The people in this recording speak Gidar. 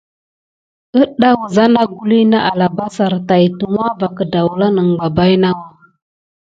Əɗa wəza naguluy na alabassare tay tuwa suɗucko va kədawlanəŋ ɓa bayna.